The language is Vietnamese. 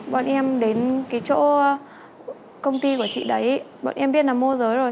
bọn em đến cái chỗ công ty của chị đấy bọn em biết là môi giới rồi